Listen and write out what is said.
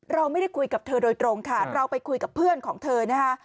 เราไม่ได้คุยกับเธอโดยตรงค่ะเราไปคุยกับเพื่อนของเธอนะคะ